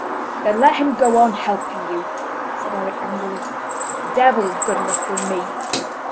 "Then let Him go on helping you," said Eric angrily. "The Devil is good enough for me!"